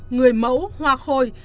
người mẫu hoa khôi